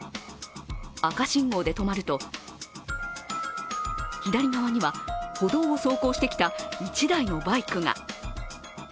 赤信号で止まると、左側には歩道を走行してきた一台のバイクが。